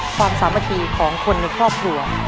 ความสามารถีของคนในครอบครัว